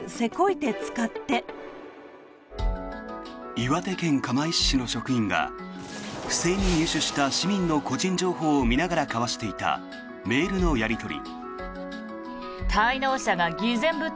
岩手県釜石市の職員が不正に入手した市民の個人情報を見ながら交わしていたメールのやり取り。